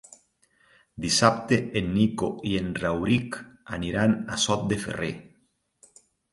Dissabte en Nico i en Rauric aniran a Sot de Ferrer.